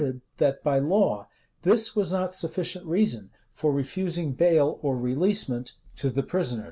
And it was asserted, that, by law, this was not sufficient reason for refusing bail or releasement to the prisoners.